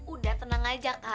udah tenang aja kak